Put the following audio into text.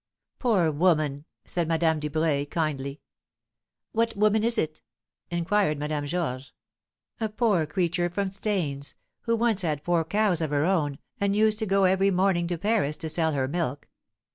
"Poor woman!" said Madame Dubreuil, kindly. "What woman is it?" inquired Madame Georges. "A poor creature from Stains, who once had four cows of her own, and used to go every morning to Paris to sell her milk.